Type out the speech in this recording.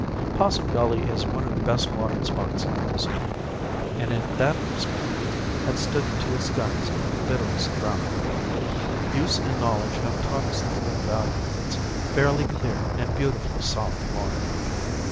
Possum Gully is one of the best watered spots in the district, and in that respect has stood to its guns in the bitterest drought. Use and knowledge have taught us the full value of its fairly clear and beautifully soft water.